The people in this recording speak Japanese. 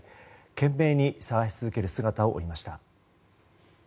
懸命に捜し続ける姿を追いました。